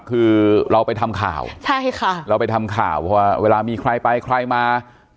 คือเราไปทำข่าวใช่ค่ะเราไปทำข่าวเพราะว่าเวลามีใครไปใครมา